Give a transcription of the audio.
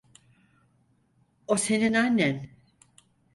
O senin annen.